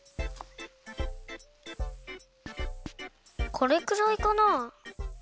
これくらいかな？